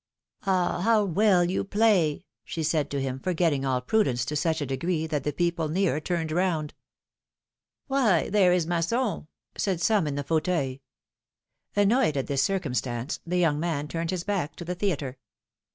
^^Ah ! how well you play she said to him, forgetting all prudence to such a degree that the people near turned round. Why, there is Masson ! said some in i\\Q fauteuils. Annoyed at this circumstance, the young man turned his back to the theatre.